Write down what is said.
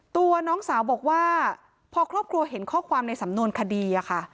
ตัวน้องสาวบอกว่าพอครอบครัวเห็นข้อความในสำนวนคดีอะค่ะ